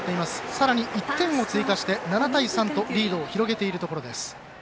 さらに１点を追加して７対３とリードを広げているところです。